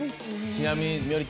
ちなみに。